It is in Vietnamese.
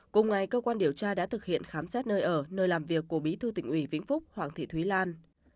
cùng ngày cơ quan điều tra đã thực hiện khám xét nơi ở nơi làm việc của bí thư tỉnh ủy vĩnh phúc hoàng thị thúy lan